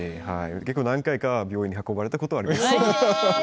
何回か病院に運ばれたことがあります。